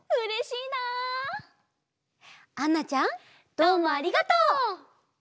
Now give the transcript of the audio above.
どうもありがとう！